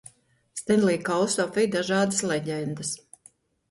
Stenlija kausu apvij dažādas leģendas.